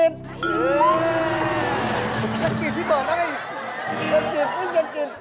ใช่